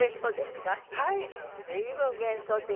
随分幻想的。